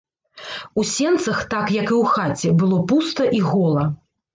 У сенцах, так як і ў хаце, было пуста і гола.